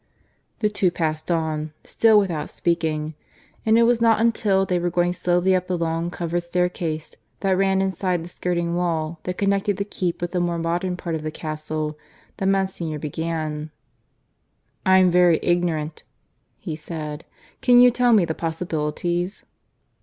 The two passed on, still without speaking; and it was not until they were going slowly up the long covered staircase that ran inside the skirting wall that connected the keep with the more modern part of the castle that Monsignor began "I'm very ignorant," he said. "Can you tell me the possibilities?"